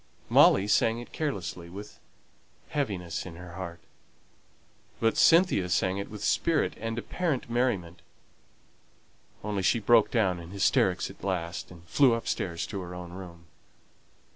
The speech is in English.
Molly sang it carelessly, with heaviness at her heart; but Cynthia sang it with spirit and apparent merriment; only she broke down in hysterics at last, and flew upstairs to her own room.